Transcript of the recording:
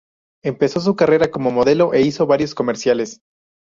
Empezó su carrera como modelo e hizo varios comerciales.